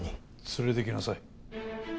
連れてきなさい。